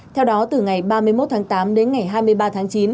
theo đó từ ngày ba mươi một tháng tám đến ngày hai mươi ba tháng chín